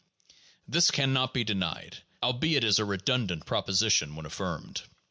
This can not be denied, albeit it is a redundant proposition when affirmed.